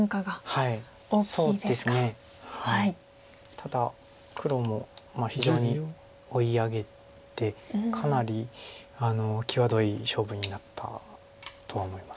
ただ黒も非常に追い上げてかなり際どい勝負になったとは思います。